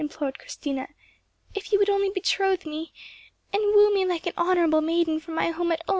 implored Christina, "if you would only betroth me, and woo me like an honourable maiden from my home at Ulm!"